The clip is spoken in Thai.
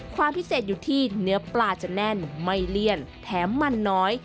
ความพิเศษอยู่ที่เนื้อปลาจะแน่นไม่เลี่ยนแถมมันน้อย